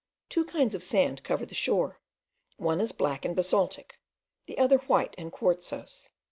Two kinds of sand cover the shore; one is black and basaltic, the other white and quartzose.